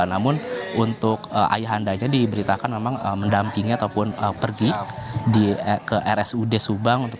namun untuk ayah anda diberitakan memang mendampingi ataupun pergi ke rsud subang